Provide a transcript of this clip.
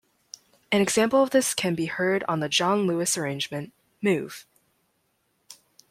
An example of this can be heard on the John Lewis arrangement "Move".